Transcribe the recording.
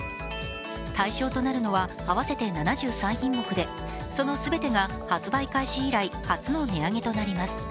対象となるのは、合わせて７３品目でその全てが発売開始以来、初の値上げとなります。